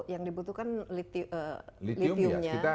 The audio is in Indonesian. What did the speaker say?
yang dibutuhkan lithium nya